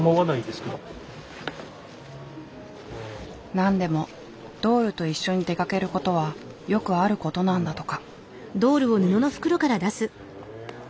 なんでもドールと一緒に出かけることはよくあることなんだとか。